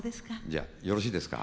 じゃあよろしいですか。